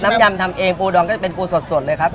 ยำทำเองปูดองก็จะเป็นปูสดเลยครับ